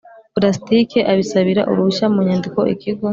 pulasitiki abisabira uruhushya mu nyandiko Ikigo